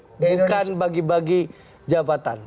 bukan bagi bagi jabatan